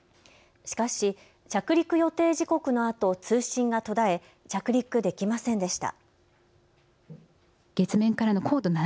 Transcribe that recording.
しかし着陸予定時刻のあと通信が途絶え着陸できませんでした。